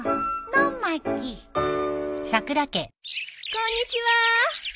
こんにちは。